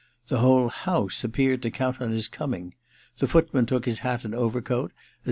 The whole house appeared to count on his coming ; the footman took his hat and overcoat as